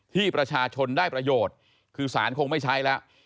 ที่ประชาชนได้ประโยชน์คือสารคงไม่ใช้แล้ว